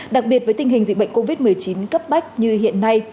đặc biệt với tình hình dịch bệnh covid một mươi chín cấp bách như hiện nay